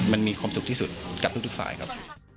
มันมีความสุขที่สุดกับทุกฝ่ายครับ